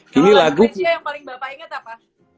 kalau lagu krecia yang paling bapak inget apa